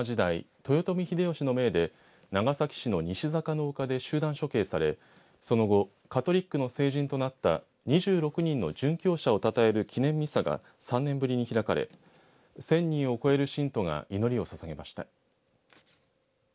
豊臣秀吉の命で長崎市の西坂の丘で集団処刑され、その後カトリックの聖人となった２６人の殉教者をたたえる記念ミサが３年ぶりに開かれ１０００人を超える信徒が祈りをささげました。